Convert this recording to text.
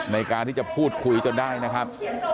ในการที่จะพูดคุยจนได้นะครับ